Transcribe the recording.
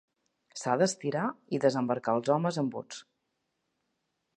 S'ha d'estirar i desembarcar els homes en bots.